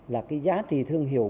là cái giá trị thương hiệu